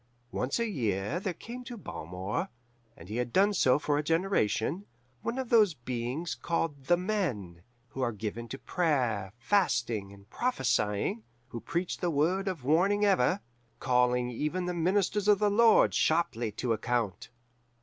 "Once a year there came to Balmore and he had done so for a generation one of those beings called The Men, who are given to prayer, fasting, and prophesying, who preach the word of warning ever, calling even the ministers of the Lord sharply to account.